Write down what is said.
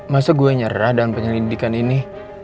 masa gue nyerah dalam penyelidikan ini